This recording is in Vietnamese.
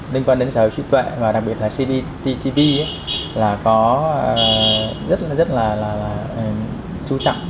đến quanh sở hữu trí tuệ và đặc biệt là cdtv là có rất là chú trọng